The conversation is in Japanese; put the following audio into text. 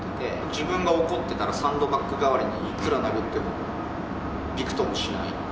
自分が怒ってたらサンドバッグ代わりに、いくら殴ってもびくともしない。